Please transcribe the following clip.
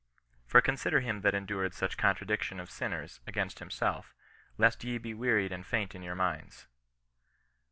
" For consider him that endured such contradiction of sinners against himself, lest ye be wearied and faint in your minds